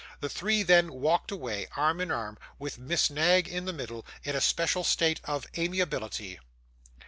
The three then walked away, arm in arm: with Miss Knag in the middle, in a special state of amiability.